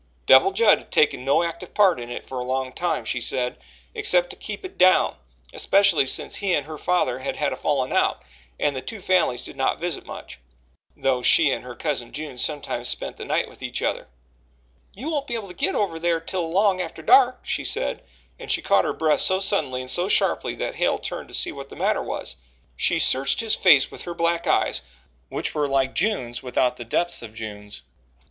Devil Judd had taken no active part in it for a long time, she said, except to keep it down especially since he and her father had had a "fallin' out" and the two families did not visit much though she and her cousin June sometimes spent the night with each other. "You won't be able to git over thar till long atter dark," she said, and she caught her breath so suddenly and so sharply that Hale turned to see what the matter was. She searched his face with her black eyes, which were like June's without the depths of June's.